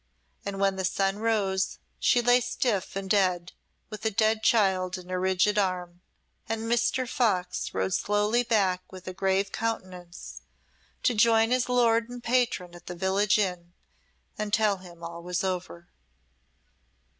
And when the sun rose she lay stiff and dead, with a dead child in her rigid arm; and Mr. Fox rode slowly back with a grave countenance, to join his lord and patron at the village inn, and tell him all was over.